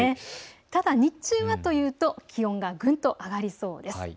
ただ日中はというと気温がぐっと上がりそうです。